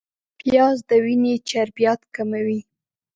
پیاز د وینې چربیات کموي